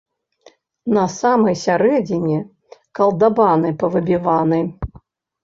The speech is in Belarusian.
На самай сярэдзіне калдабаны павыбіваны.